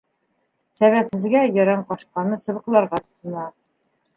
Сәбәпһеҙгә Ерәнҡашҡаны сыбыҡларға тотона.